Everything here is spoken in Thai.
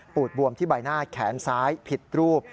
ดบวมที่ใบหน้าแขนซ้ายผิดรูป